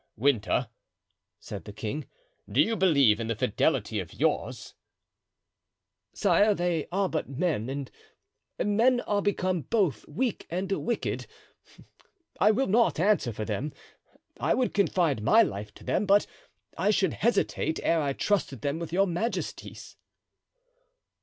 "Winter," said the king, "do you believe in the fidelity of yours?" "Sire, they are but men, and men are become both weak and wicked. I will not answer for them. I would confide my life to them, but I should hesitate ere I trusted them with your majesty's."